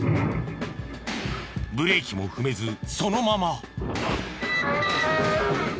ブレーキも踏めずそのまま。